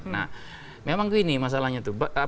nah memang gini masalahnya tuh